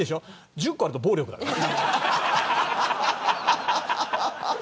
１０個あると暴力だから。